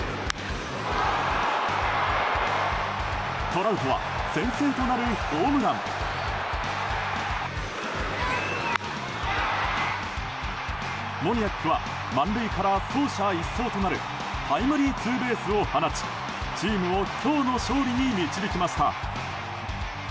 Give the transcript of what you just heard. トラウトは先制となるホームランモニアックは満塁から走者一掃となるタイムリーツーベースを放ちチームを今日の勝利に導きました。